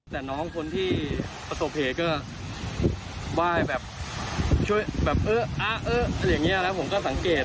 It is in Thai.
แต่น้องคนที่ประสบเหตุก็บ้ายแบบช่วยแบบอะอย่างเงี้ยแล้วผมก็สังเกต